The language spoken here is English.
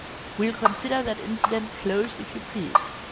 "We'll consider that incident closed if you please.